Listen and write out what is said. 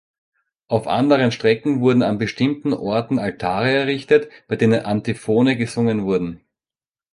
Auf anderen Strecken wurden an bestimmten Orten Altare errichtet, bei denen Antiphone gesungen wurden.